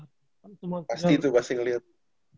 pasti tuh pasti ngeliat